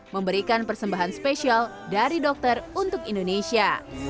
memberikan persembahan spesial dari dokter untuk indonesia